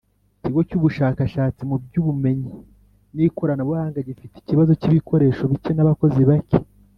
Ikigo cy Ubushakashatsi mu by Ubumenyi n Ikoranabuhanga gifite ikibazo cy ibikoresho bike n abakozi bake